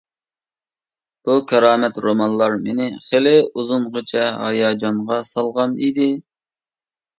بۇ كارامەت رومانلار مېنى خېلى ئۇزۇنغىچە ھاياجانغا سالغان ئىدى.